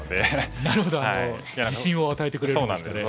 なるほど自信を与えてくれるんですかね。